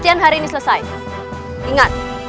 kita harus berhenti dan berhenti lagi